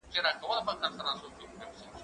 زه اجازه لرم چي ليکلي پاڼي ترتيب کړم!!